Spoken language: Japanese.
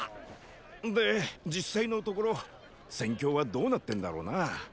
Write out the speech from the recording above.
で実際のところ戦況はどうなってんだろうな。